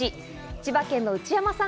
千葉県の内山さん